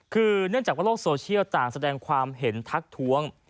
คือเนื่องจากว่าโลกโซเชียลต่างแสดงความเห็นทักท้วง